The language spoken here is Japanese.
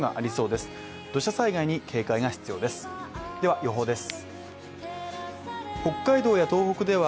では、予報です。